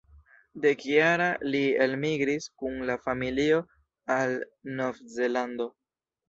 Dekjara, li elmigris kun la familio al Novzelando.